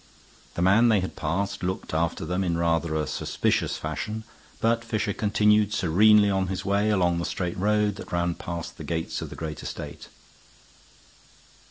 The man they had passed looked after them in rather a suspicious fashion, but Fisher continued serenely on his way along the straight road that ran past the gates of the great estate.